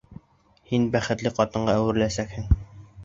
Һин бәхетле ҡатынға әүереләсәкһең.